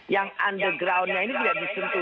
yang undergroundnya ini tidak disentuh